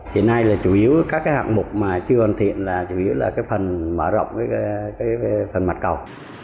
hiện nay là chủ yếu các cái hạng mục mà chưa hoàn thiện là chủ yếu là phần mở rộng phần mặt cầu